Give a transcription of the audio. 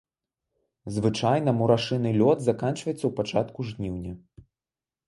Звычайна мурашыны лёт заканчваецца ў пачатку жніўня.